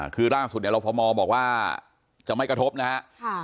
คือล่าสุดเนี่ยรฟมบอกว่าจะไม่กระทบนะฮะ